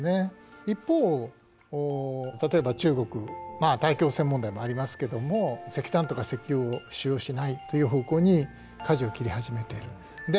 一方例えば中国大気汚染問題もありますけども石炭とか石油を使用しないという方向にかじを切り始めている。